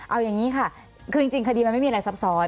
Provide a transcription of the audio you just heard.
เอาอย่างนี้ค่ะคือจริงคดีมันไม่มีอะไรซับซ้อน